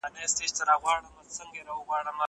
زه کولای سم لوښي وچوم!!